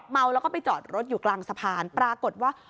เมาแล้วก็ไปจอดรถอยู่กลางสะพานปรากฏว่า